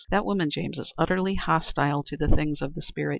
That woman, James, is utterly hostile to the things of the spirit.